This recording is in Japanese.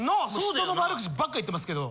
人の悪口ばっか言ってますけど。